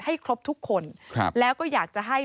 ให้ครบทุกคนแล้วก็อยากจะให้